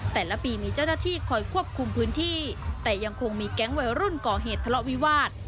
แต่ละปีมีเจ้าหน้าที่คอยควบคุมพื้นที่แต่ยังคงมีแก๊งวัยรุ่นก่อเหตุทะเลาะวิวาส